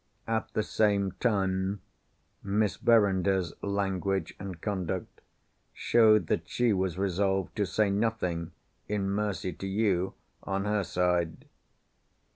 At the same time, Miss Verinder's language and conduct showed that she was resolved to say nothing (in mercy to you) on her side.